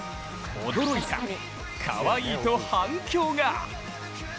「驚いた、かわいい」と反響が。